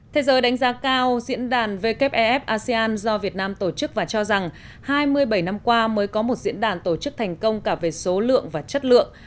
thế giới đánh giá cao diễn đàn wef asean do việt nam tổ chức và cho rằng hai mươi bảy năm qua mới có một diễn đàn tổ chức thành công cả về số lượng và chất lượng